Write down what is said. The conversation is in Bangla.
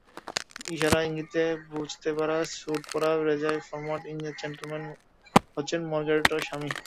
ইশারা-ইঙ্গিতে বুঝতে পারি স্যুট পরা বেজায় ফরমাল ইংরেজ জেন্টেলম্যান হচ্ছেন মার্গারেটের স্বামী।